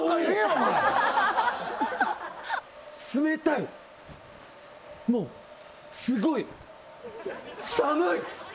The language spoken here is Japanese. お前冷たいもうすごい寒い！